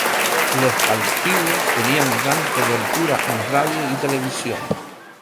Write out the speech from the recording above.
Los partidos tenían gran cobertura en radio y televisión.